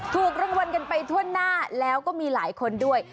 ถูกรางวัลกันไปทั่วหน้าแล้วก็มีหลายคนด้วย